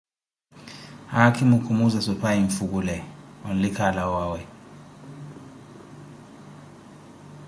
Haakhimo kumuunza suphayi, mfukyle, onlike alawe owawe.